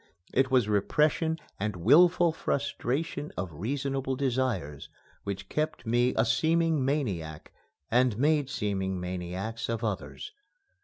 It was repression and wilful frustration of reasonable desires which kept me a seeming maniac and made seeming maniacs of others.